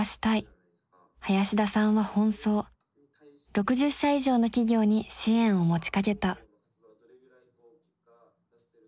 ６０社以上の企業に支援を持ちかけた。